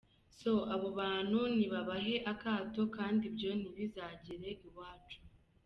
So, abo bantu nibabahe akato kandi ibyo ntibizagere iwacu.